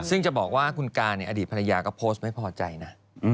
ซึ่งจะบอกว่าคุณการอดีตภรรยาก็โพสต์ไม่พอใจนะ